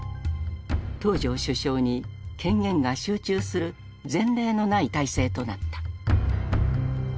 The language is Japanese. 東條首相に権限が集中する前例のない体制となった。